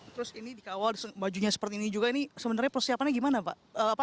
terus ini dikawal bajunya seperti ini juga ini sebenarnya persiapannya gimana pak